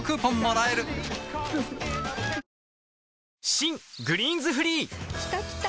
新「グリーンズフリー」きたきた！